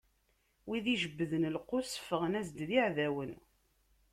Wid ijebbden lqus ffɣen-as-d d iɛdawen.